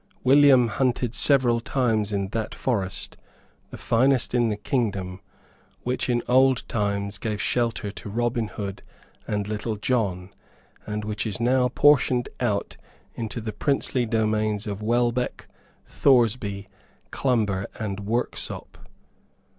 William hunted several times in that forest, the finest in the kingdom, which in old times gave shelter to Robin Hood and Little John, and which is now portioned out into the princely domains of Welbeck, Thoresby, Clumber and Worksop.